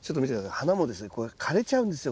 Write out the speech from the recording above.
花もですね枯れちゃうんですよ